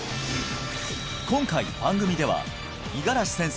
今回番組では五十嵐先生